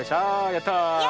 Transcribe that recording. やった！